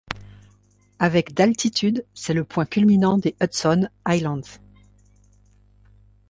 Avec d'altitude, c'est le point culminant des Hudson Highlands.